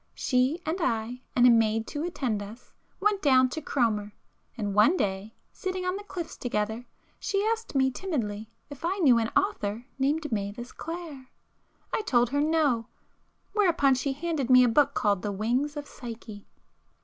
She and I, and a maid to attend us, went down to Cromer,—and one day, sitting on the cliffs together, she asked me timidly if I knew an author named Mavis Clare? I told her no,—whereupon she handed me a book called 'The Wings of Psyche.